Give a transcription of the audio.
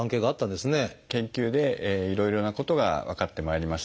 研究でいろいろなことが分かってまいりました。